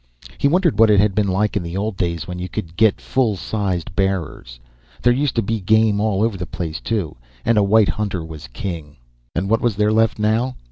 He wondered what it had been like in the old days, when you could get fullsized bearers. There used to be game all over the place, too, and a white hunter was king. And what was there left now?